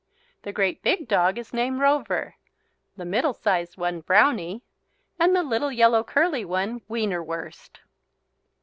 The great big dog is named Rover, the middle sized one Brownie, and the little yellow curly one Wienerwurst.